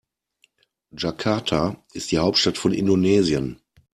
Jakarta ist die Hauptstadt von Indonesien.